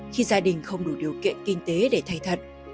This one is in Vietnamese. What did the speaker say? khi gia đình không đủ điều kiện kinh tế để thay thật